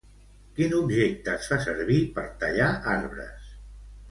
Quin objecte es fa servir per tallar arbres?